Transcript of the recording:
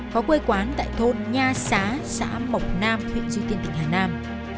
có quê quán tại thôn nha xá xã mộc nam huyện duy tiên tỉnh hà nam